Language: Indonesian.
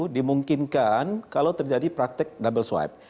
dimungkinkan kalau terjadi praktek double swipe